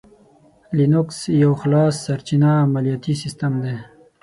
لینوکس یو خلاصسرچینه عملیاتي سیسټم دی.